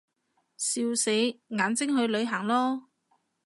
笑死，眼睛去旅行囉